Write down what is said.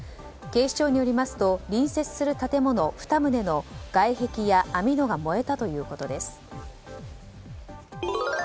警視庁によりますと隣接する建物２棟の外壁や網戸が燃えたということです。